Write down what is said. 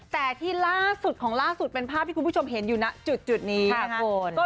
แต่ที่ล่าสุดของล่าสุดเป็นภาพที่คุณผู้ชมเห็นอยู่นะจุดนี้นะคะ